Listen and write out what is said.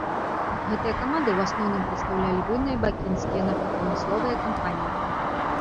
Гэтыя каманды ў асноўным прадстаўлялі буйныя бакінскія нафтапрамысловыя кампаніі.